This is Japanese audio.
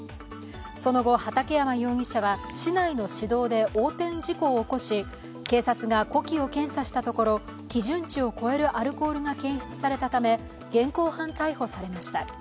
その後、畠山容疑者は市内の市道で横転事故を起こし警察が呼気を検査したところ基準値を超えるアルコールが検出されたため現行犯逮捕されました。